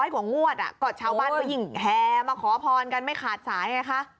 กว่างวดก็ชาวบ้านก็ยิ่งแห่มาขอพรกันไม่ขาดสายไงคะ